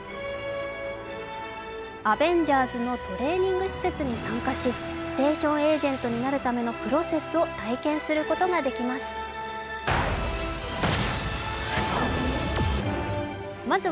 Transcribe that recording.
アベンジャーズのトレーニング施設に参加し、ステーションエージェントになるためのプロセスを体験することができます。